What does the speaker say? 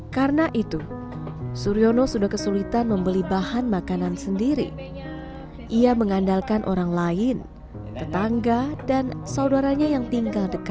karena itu suryono sudah kesulitan membeli bahan makanan sendiri ia mengandalkan orang lain tetangga dan saudaranya yang tinggal dekat dengan dia